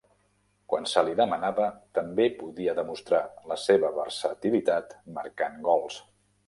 Quan se li demanava, també podia demostrar la seva versatilitat marcant gols.